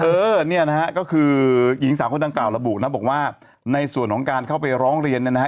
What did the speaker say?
เออเนี่ยนะฮะก็คือหญิงสาวคนดังกล่าวระบุนะบอกว่าในส่วนของการเข้าไปร้องเรียนเนี่ยนะฮะ